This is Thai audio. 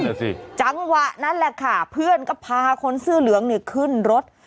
นั้นจังหวะนั้นแหละค่ะเพื่อนก็พาคนสื่อเหลืองขึ้นรถ